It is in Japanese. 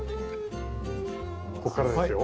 ここからですよ。